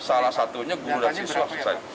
iya salah satunya guru dan siswa